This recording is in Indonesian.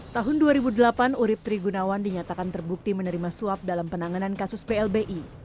tahun dua ribu delapan urib trigunawan dinyatakan terbukti menerima suap dalam penanganan kasus plbi